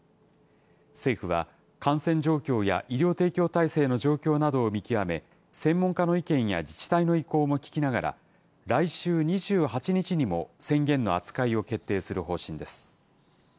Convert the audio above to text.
政府は感染状況や医療提供体制の状況などを見極め、専門家の意見や自治体の意向も聞きながら、来週２８日にも宣言の扱いを決定する方針です。